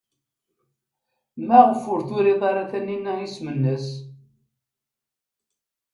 Maɣef ur turi ara Taninna isem-nnes?